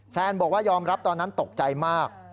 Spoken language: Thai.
แซนบอกว่ายอมรับตอนนั้นตกใจมาก